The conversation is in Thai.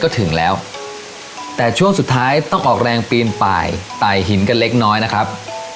ก็ถึงแล้วแต่ช่วงสุดท้ายต้องออกแรงปีนป่ายตายหินกันเล็กน้อยนะครับ